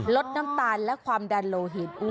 ลดน้ำตาลและความดันโลหิต